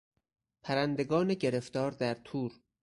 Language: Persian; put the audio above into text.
پرندگان گرفتار در تور